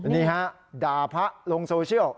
นี่ฮะด่าพระลงโซเชียล